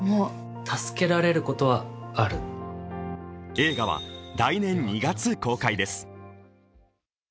映画は来年２月公開です。